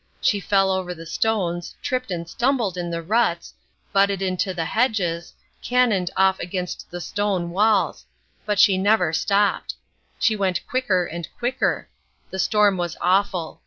She fell over the stones, tripped and stumbled in the ruts, butted into the hedges, cannoned off against the stone walls. But she never stopped. She went quicker and quicker. The storm was awful.